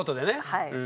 はい。